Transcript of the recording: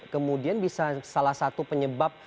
kemudian bisa salah satu penyebab